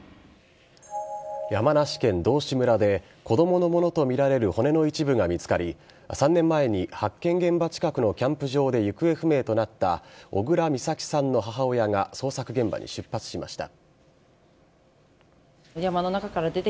山梨県道志村で子供のものとみられる骨の一部が見つかり３年前に発見現場近くのキャンプ場で行方不明となった小倉美咲さんの母親が捜索現場に出発しました。